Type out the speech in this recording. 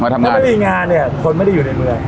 ถ้าไม่มีงานเนี่ยคนไม่ได้อยู่ในเมือง